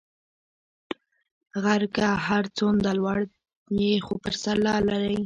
غر که هر څونده لوړ یی خو پر سر لاره لری